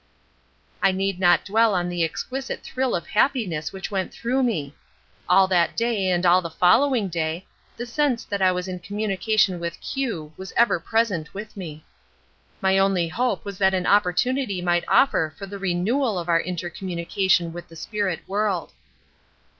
I need not dwell on the exquisite thrill of happiness which went through me. All that day and all the following day, the sense that I was in communication with Q was ever present with me. My only hope was that an opportunity might offer for the renewal of our inter communication with the spirit world.